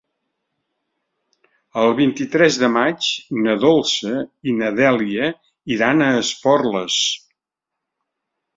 El vint-i-tres de maig na Dolça i na Dèlia iran a Esporles.